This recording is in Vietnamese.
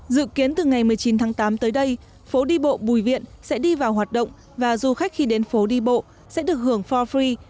dự kiến từ ngày một mươi chín tháng tám tới đây phố đi bộ bùi viện sẽ đi vào hoạt động và du khách khi đến phố đi bộ sẽ được hưởng forfi